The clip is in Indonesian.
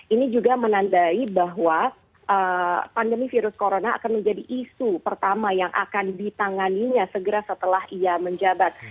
ini juga menandai bahwa pandemi virus corona akan menjadi isu pertama yang akan ditanganinya segera setelah ia menjabat